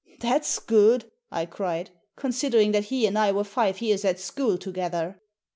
" That's good," I cried, " considering that he and I were five years at school together."